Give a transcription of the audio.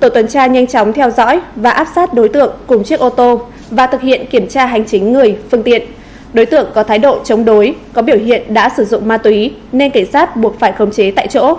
tổ tuần tra nhanh chóng theo dõi và áp sát đối tượng cùng chiếc ô tô và thực hiện kiểm tra hành chính người phương tiện đối tượng có thái độ chống đối có biểu hiện đã sử dụng ma túy nên cảnh sát buộc phải khống chế tại chỗ